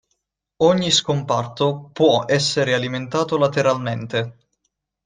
Ogni scomparto può essere alimentato lateralmente.